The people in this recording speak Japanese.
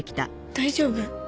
大丈夫？